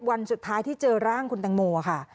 วันสุดท้ายที่เจอร่างคุณตังโมค่ะ